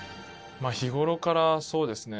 日頃からそうですね。